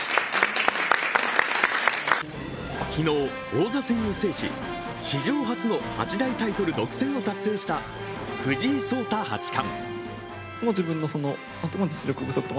昨日、王座戦を制し、史上初の八大タイトル独占を達成した藤井聡太八冠。